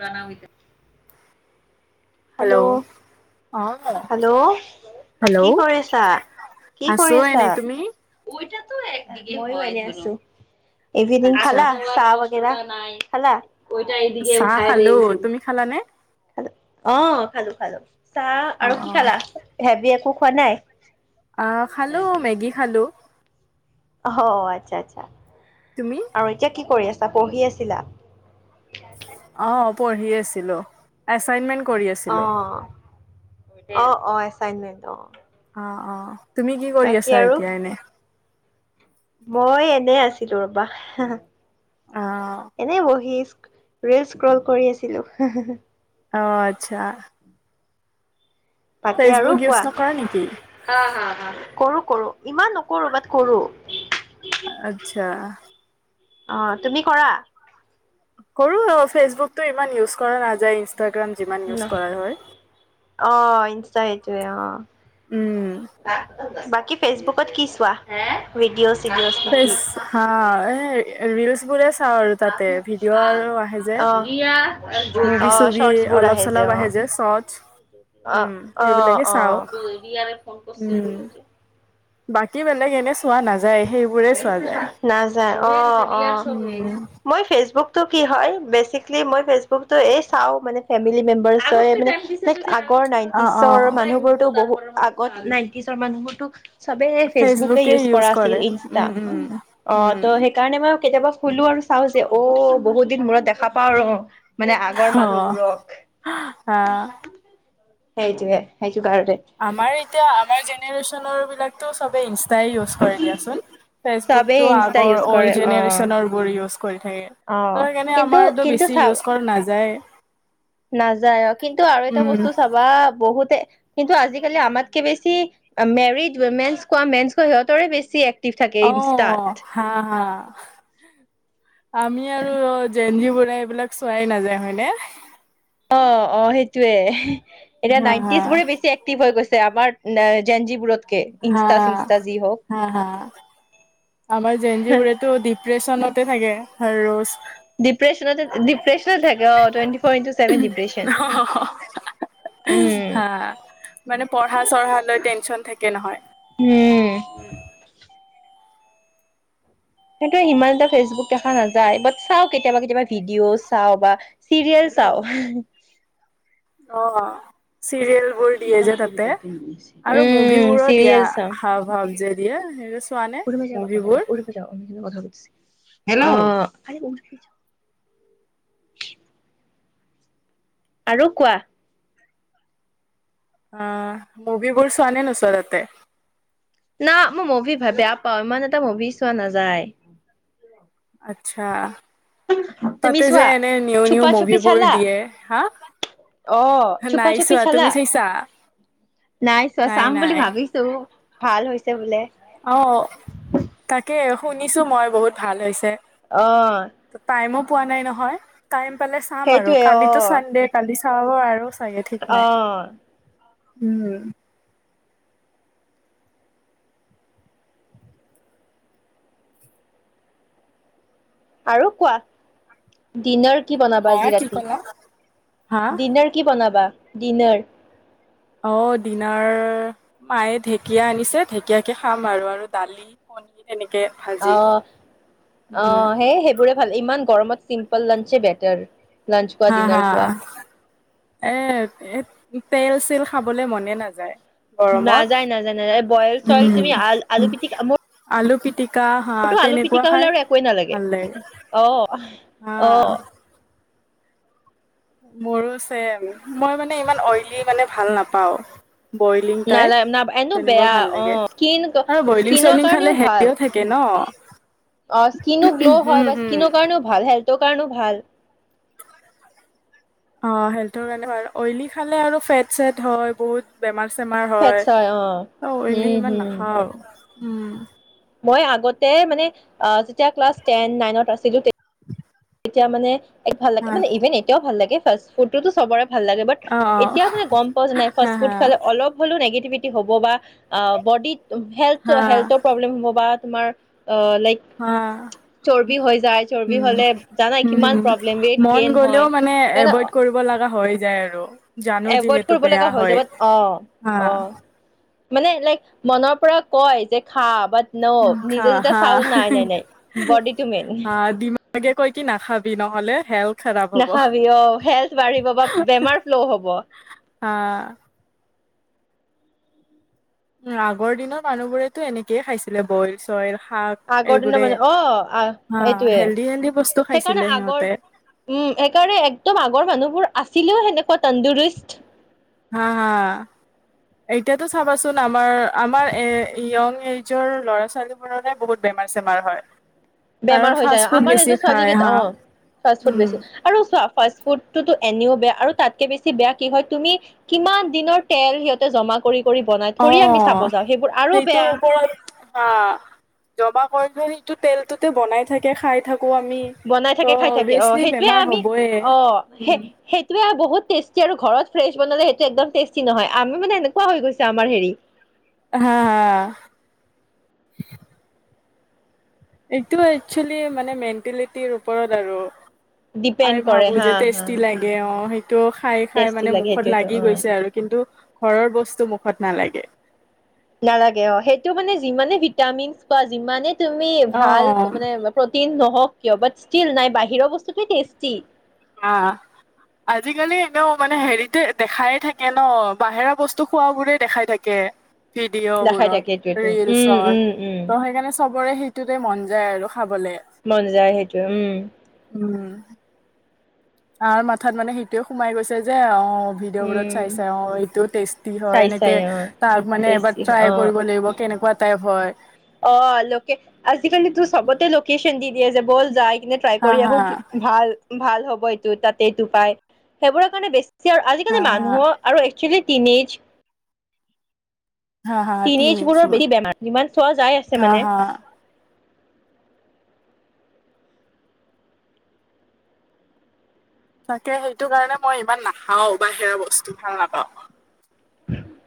Pranamika. Hello. অ hello অ hello কি কৰিছা আছা? কি আছো কৰি আছা? এনে তুমি ম এ আছো ইভিনিং আচ্ছা খালা চাহ ব। নাই খা এইদ চাহ উঠাই দে খালো উচল। তুমি খালানে? অ খালো খালো চাহ অ আৰু অ কি খালা হেভি একো খোৱা নাই? অ খালো মেগী খালোঁ। অ আচ্ছা আচ্ছা। তুমি? আৰু এতিয়া কি কৰি আছা? পঢ়ি আছিলা? অ', পঢ়ি আছিলো, এছাইনমেণ্ট অ', অ', অ' এচাইনমেন্ট অ'। অ', অ', তুমি কি কৰি বাকী আছা আৰু এতিয়া এনে? মই এনেই আছিলোঁ ৰ'বা, অ এনে বহি ৰিল স্ক্ৰল কৰি আছিলোঁ, হা হা। অ', আচ্ছা। বাকী আৰু ফেচবুক ইউজ কোৱা, নকৰা নেকি হা হা হা, কৰো কৰো, ইমান নকৰো, বাট কৰোঁ। আচ্ছা। অ', তুমি কৰা? কৰো আৰু ফেচবুকটো ইমান ইউজ কৰা নাযায়। ইনচটাগ্ৰাম যিমান ইউজ কৰা হয় অ', ইনষ্টাটা এইটোয়েই অ'। উম বাকী ফেচবুকত কি চোৱা? ভিডঅ' চিডঅ'। ফেচ হা, এই ৰিলছ বোৰে চাওঁ আৰু তাতেই, ভিডিঅ' আৰু আহে যে, অ মুভি অ চুভি শৰ্টছ বোৰ অলপ চলপ অ আহে যে চৰ্ট। অ', অ', চাওঁ অ', ইয়াৰে ফোন কৰছে উম [unintelligible] বাকী বেলেগ এনে চোৱা নাযা নাযায়, অ', অ'। উম মই ফেচবুকটো কি হয়? বেচিকেলি মই ফেচবুকটো এই চাওঁ, মানে ফেমিলি মেম্বাৰ আগৰ অ অ নাইনটিচৰ মানুহবোৰতো, বহুত আগত নাইনটিচৰ মানুহবোৰতো চবে ফেচবুকে ইউজ কৰা আছিল, কৰে ইনষ্টা, উম উম অ', উম ত' সেইকাৰণে মই কেতিয়াবা খুলোঁ আৰু চাও যে, অ', বহুত দিন মূৰত দেখা পাওঁ মানে আগৰ অ মানুহবোৰক হা সেইটোৱেই, সেইটোকাৰনে। আমাৰ এতিয়া, আমাৰ জেনেৰেচনৰ বিলাকতো চবেই ইনষ্টাই ইউজ কৰে দিয়াচোন। চবেই ফেচবুকতটো ইনষ্টা আগৰ, ইউজ কৰে অল্ড অ জেনেৰেশচনৰ বোৰ ইউজ কৰি থাকে। অ সেইকাৰণে কিন্তু আমাৰটো কিন্তু বেছি চাব ইউজ কৰা নাযায়েই। নাযায়, অ', কিন্তু আৰু এটা বস্তু চাবা, বহুতে কিন্তু আজিকালি আমাতকে বেছি, মেৰিড উমেনছ কোৱা, মেন কোৱা, সিহতৰেই বেছি থাকে ইনষ্টাত অ', হা হা, আমি আৰু জেন জি বোৰে এইবিলাক চোৱাই নাযায়, হয়নে? অ', অ', সেইটয়েই, এতিয়া হা হা নাইনটিজ বোৰে বেছি এক্টিভ হৈ গৈছে, আমাৰ জেঞ্জিবোৰত হা, হা হা, আমাৰ জেঞ্জী বুৰেটো ডিপ্ৰেচনতে থাকে, হৰৰজ ডিপ্ৰেছনতে, ডিপ্ৰেছনতে থাকে, অ', টুৱেন্টি ফ'ৰ ইনটু চে উম, [unintelligible] উম হা, মানে পঢ়া, চঢ়া লৈ টেনচন থাকে নহয়। উম। সেইটো সিমান এটা ফেচবুক দেখা নাযায়, বাট চাওঁ কেতিয়াবা কেতিয়াবা ভিডিঅ' চাওঁ, বা চিৰিয়েল চাওঁ। অ'। চিৰিয়েল বোৰ দিয়ে যে তাতে আৰু উম মুভিবোৰো দিয়া চিৰিয়েল চাও হা যে দিয়ে সেইবোৰ চোৱা নে মুভিবোৰ? হেল্ল'। আৰু কোৱা আহ মুভিবোৰ চোৱা নে নোচোৱা তাতে? না মই মুভি বেয়া পাওঁ। ইমান এটা মুভি চোৱা নাযায়। আচ্ছা। তুমি তাতে যে চোৱা এনে নিউ নিউ চুপা চুপি মুভিবোৰ চালা দিয়ে হা অ চুপা নাই চুপি চোৱা তুমি চালা চাইছা? নাই চোৱা। চাম বুলি ভাবিছো, ভাল হৈছে বোলে অ' তাকে শুনিছো মই বহুত ভাল হৈছে অ'। টাইমো পোৱা নাই নহয়, টাইম পালে চাম আৰু সেইটোৱে অ কালিতো চানডে কালি চাব আৰু। ঠিক অ নাই। উম। আৰু কোৱা ডিনাৰ কি বনাবা? হা আজি কি ৰাতি ক'লা? হা ডিনাৰ কি বনাবা ডিনাৰ অ' দিনাৰ, মায়ে ঢেকীয়া আনিছে ঢেকীয়াকে খাম আৰু, আৰু দালি কণী তেনেকে ভাল অ', অ' সেইবোৰে ভাল ইমান গৰমত চিম্পল লাঞ্চে বেটাৰ। লাঞ্চ কোৱা হা ডিনাৰ হা কোৱা এ তেল চল খাবলে মনে নাযায়। গৰমত নাযায় নাযায় নাযায় বইল চইল উম তুমি আ আলু পিটিকা আলু পিটিকা হা মোৰতো আলু তেনেকুৱা পিটিকা হলে খাই আৰু একোৱে নালাগে ভাল লাগে। অ হা অ মোৰো চেম। মই মানে ইমান অইলি মানে ভাল নাপাওঁ। বইলিং টাইপ নালা না এনো তেনেকুৱা বেয়া ভাল অ লাগে, স্কিন আৰু বইলিং স্কিনৰ চইলিং খালে কাৰণেও ভাল হেল্ডিও থাকে। থাকে ন। অ' স্কিনো গ্ল' হুম হয় বা হুম স্কিনৰ কাৰণেও ভাল। হেল্থৰ কাৰণেও ভাল। অ' হেল্থৰ কাৰণে অইলি খালে আৰু ফেট চেট হয় বহুত বেমাৰ চেমাৰ হয়। অ' অইলি হম ইমান হম নাখাও উম। মই আগতে মানে যেতিয়া ক্লাছ টেন, নাইনত আছিলো তে তেতিয়া মানে এক ভাল লাগে হা মানে ইভেন এতিয়াও ভাল লাগে ফাষ্ট ফুডটো ত' চবৰে ভাল লাগে। অ অ এতিয়া মানে গম পোৱা যোৱা নাই হা ফাষ্ট ফুড হা খালে অলপ অলপ হ'লেও নেগিভিটি হ'ব বা বডিত হা হেল্থৰ প্ৰব্লেম হ'ব বা তোমাৰ অ' লাইক হা চৰ্বি হৈ যায়। চৰ্বি উম হ'লে ন উম কিমান হম প্ৰব্লেম ৱেট মন গেইন গলেও হয়। মানে সেইকাৰণে এভইড কৰিব লগা হৈ যায় আৰু। জানো এভইড যিহেতু কৰিব লগা বেয়া হৈ হয় যাব। অ', হা অ'। মানে লাইক মনৰ পৰা কয় যে খা বাট নো খা নিজে যেতিয়া হা চাও নাই, নাই, নাই বডিটো মেইন। এনেকে কৈ কি নাখাবি নহ'লে হেল নাখাবি অ', হেল্থ বাঢ়িব বা বেমাৰ ফ্ল' হব। হা। উম আগৰ দিনত মানুহবোৰেতো এনেকয়ে খাইছিলে বইল চইল শাক আগৰ দিনৰ এইবোৰে মানুহ অ', আহ, হা এইটোৱে হেল্ডি হেল্ডি বস্তু খাইছিলে সেইকাৰণে আগৰ সিহঁতে উম। সেইকাৰণে একদম আগৰ মানুহবোৰ আছিলেও সেনেকুৱা তন্দুুৰুষ্ট। হা হা। এতিয়াতো চাবাচোন আমাৰ, আমাৰ এ- ইউং এজাৰ এজৰ ল'ৰা-ছোৱালী [inaudible] বহুত বেমাৰ-চেমাৰ হয়। কাৰণ বেমাৰ হৈ যায়। ফাষ্ট ফুড আমাৰ বেছি এজৰ ছোৱালী খায় কেইটা হা অ', ফাষ্ট-ফুড উম বেছে আৰু চোৱা, ফাষ্ট ফুডোতো এনেও বেয়া আৰু তাতকে বেছি বেয়া কি হয়, তুমি কিমান দিনৰ তেল সিহঁতে জমা কৰি কৰি বনাই থৰি আমি অ'। চাব যাওঁ। সেইবোৰ আৰু বেয়া। অ'। জমা কৰি কৰিটো সেইটো তেলটোতে বনাই থাকে, খাই থাকো আমি। বনাই থাকে ত' খাই থাকে, অ', অভিয়াচলি সেইটোয়ে বেমাৰ আমি, হ'বয়ে। অ', উম। সেই, সেই কিবা, বহুত টেষ্টি ঘৰত ফ্ৰেছ বনালে সেইটো একদম টেষ্টি নহয়, আমি মানে এনেকুৱা হৈ গৈছে আমাৰ হেৰি হা, হা। এইটো একচুৱেলি মানে মেণ্টেলিটিৰ ওপৰত আৰু। আমি ডিপেণ্ড কৰে ভাবো যে হা টেষ্টি হা লাগে অ', সেইটো খাই, খাই টেষ্টি মানে লাগে মুখত সেইটোৱেতো লাগি অ গৈছে আৰু কিন্তু ঘৰৰ বস্তু মুখত নালাগে। নালাগে অ', সেইটো [unintelligible] যিমানে ভিটামিন খোৱা যিমানে তুমি ভাল অ' মানে প্ৰটিন নহওঁক কিয়? বা ষ্টীল নাই বাহিৰৰ বস্তুটোৱে টেষ্টি। অ'। আজিকালি এনেওঁ মানে হেৰিতে দেখাই থাকে ন, বাহিৰা বস্তু খোৱাবোৰে দেখাই থাকে। ভিডিঅ' দেখাই থাকে বোৰত এইটোৱেতো উম ৰিলচত ত', উম উম সেইকাৰণে চবৰে সে তেৰে মন যায় আৰু খাবলে। মন যায় সেইটো উম'। উম'। আৰ মাথাত মানে সেইটোয়ে সোমাই গৈছে যে উম ভিডিঅ'বোৰত চাই চাই এইটোও টেষ্টি হয়, চাই চাই এনেকে অ তাক মানে এবাৰ টেষ্টি অ ট্ৰাই কৰিব লাগিব, কেনেকুৱা টাইপ হয়। অ', লোকে, আজিকালি তোৰ চ'বতে লোকেশচন দি দিয়া, যে ব'ল যায় কি টাই হা কৰি হা আহো, কি- ভাল, ভাল হ'ব এইটো তাতে এইটো পায়, সেইবোৰৰ কাৰণে বেছি- কি হ'ল, হা আজিকালি হা মানুহৰ আৰু একচুৱেলি টাইম এজ হা হা তিনি [unintelligible] যিমান চোৱা যাই আছে হা মানে। হা তাকে সেইটো কাৰণে মই ইমান নাখাওঁ, বাহিৰা বস্তু ভাল নাপাওঁ।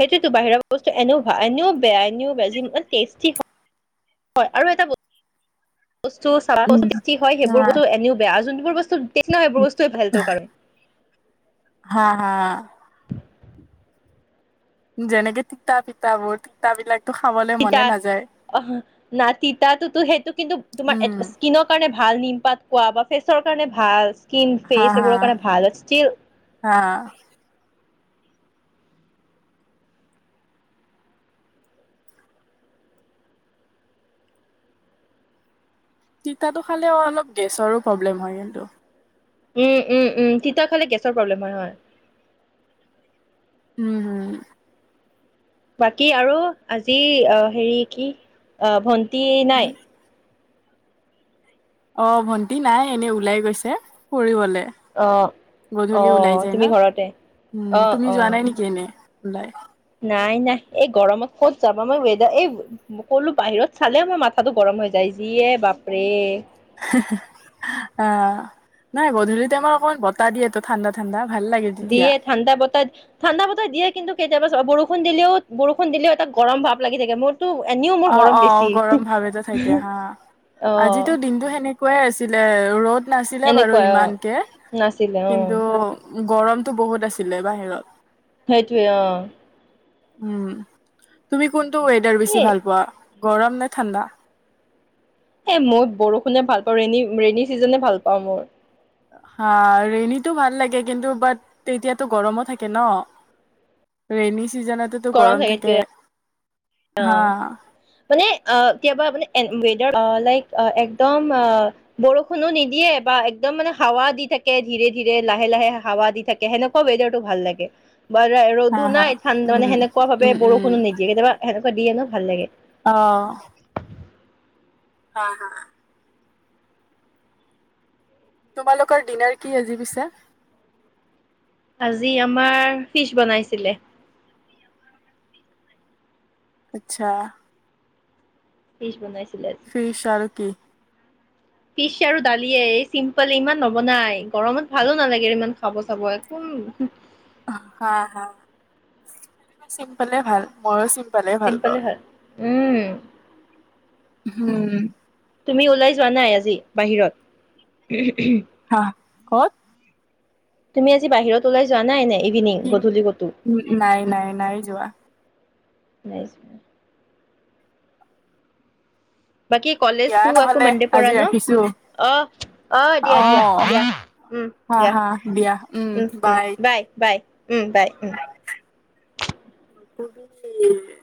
সেইটোতো বাহিৰৰ বস্তু এনেও, ভা- এনেও বেয়া, এনেও বেয়া যিমান টেষ্টি হ হয় আৰু এটা [unintelligible] উম সেইবোৰ অ বস্তু এনেও বেয়া, যোনবোৰ বস্তু [unintelligible] কাৰণ। হা, হা। যেনেকে [unintelligible] তিতা বিলাক তিতা, অ', না- তিতাটোতো সেইটো কিন্তু তোমাৰ উম এড-স্কিনত কাৰণে ভাল, নিমপাত খোৱা বা ফেচৰ কাৰণে ভাল, স্কিন হা ফেচ হা এইবোৰৰ কাৰণে ভাল, ষ্টীল হা, তিতাটো খালে অলপ গেছৰো প্ৰব্লেম হয় কিন্তু। উম', উম', উম'তিতা খালে গেছৰ প্ৰব্লেম হয়, হয়। হুম', হুম'। বাকী আৰু আজি অ', হেৰি, কি অ' ভণ্টি উম। নাই? অ', ভণ্টি নাই, এনেই ওলাই গৈছে ফুৰিবলে। অ অ গধূলি ওলাই যায় ন। তুমি ঘৰতে উম' অ', তুমি যোৱা অ', নাই নেকি এনে ওলাই? নাই নাই এই গৰমত ক'ত যাবা, মই ৱদাৰ এই ক'লো বাহিৰত চালে মই মাথাটো গৰম হৈ যায়, যিয়ে বাপৰে। হাহা, অ' নাই গধূলি টাইমত অকমান বতাহ দিয়েটো ত' ঠাণ্ডা ঠাণ্ডা ভাল লাগে তেতিয়া। দিয়ে ঠাণ্ডা বতাহ ঠাণ্ডা বতাহ, দিয়ে কিন্তু কেতিয়াবা চোৱা বৰষুণ দিলেও, বৰষুণ দিলেও এটা গৰম ভাৱ লাগি থাকে মোৰ এনেও অ', গৰম অ' বেছি। গৰম ভাৱ এটা থাকে হা, অ', আজিতো দিনতটো সেনে কোৱাই আছিলে ৰ'দ নাছিলে বাৰু এনেকুৱাই অ', ইমানকে, নাছিলে কিন্তু অ', গৰমটো বহুত আছিলে বাহিৰত। সেইটোৱে অ'। উম, তুমি কোনটো ৱেডাৰ এ বেছি ভাল পোৱা গৰম নে ঠাণ্ডা? এ মই বৰষুণে ভাল পাওঁ, ৰেনী ৰেইনী চিজনে ভাল পাওঁ মোৰ। হা ৰেইনীটো ভাল লাগে, কিন্তু বাট তেতিয়াতো গৰমো থাকে ন। ৰেইনী চিজনটো গৰম থাকে, হা। মানে আ কেতিয়াবা মানে, এ ৱেডাৰ লাইক একদম বৰষুণো নিদিয়ে বা একদম মানে, হাৱা দি থাকে ধীৰে, ধীৰে লাহে-লাহে হাৱা দি থাকে। কে সেনেকুৱা ৱেডাৰটো ভাল লাগে বা আ হা ৰ'দো হা নাই ঠাণ্ডা মানে উম। সেনেকুৱা ভাৱে উম উম বৰষুণো নিদিয়ে, কেতিয়াবা সেনেকুৱা দিয়ে ন, ভাল লাগে। অহ'। হয় হয়। তোমালোকৰ ডিনাৰ কি আজি পিছে? আজি আমাৰ ফিচ বনাইছিলে। আচ্ছা। ফিছ বনাইছিলে। আজি ফিছ আৰু কি? ফিচ আৰু দালিয়ে, এই চিম্পল ইমান নবনাই গৰমত ভালো নালাগে ইমান খাব চাব একো। হা, হা চি-চিম্পলে ভাল মইও চিম চিম্পলে ভাল, উম। উম। তুমি ওলাই যোৱা নাই, আজি বাহিৰত। হা ক'ত? তুমি আজি বাহিৰত ওলাই যোৱা নাই নে ইভিনিং, কি গধূলি ক'তো? উম নাই নাই নাই যোৱা। নাই। বাকী দিয়া কলেজটো আকৌ নহ'লে ম'ডে পৰা আজি ন। ৰাখিছোঁ। অ', অ' দিয়া, দিয়া, দিয়া উম হা দিয়া, হা দিয়া উম, উম বাই। বাই উম, বাই উম। [unintelligible] [unintelligible]